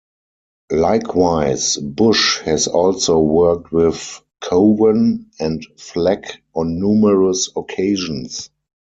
Likewise, Bush has also worked with Cowan and Fleck on numerous occasions.